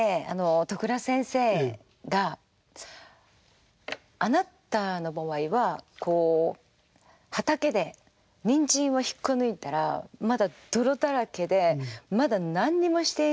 都倉先生が「あなたの場合は畑でにんじんを引っこ抜いたらまだ泥だらけでまだ何にもしていない。